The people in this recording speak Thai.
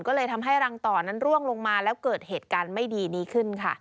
ก็เลยทำให้รังต่อนั้นร่วงลงมาแล้วเกิดเหตุการณ์ไม่ดีนี้ขึ้นค่ะ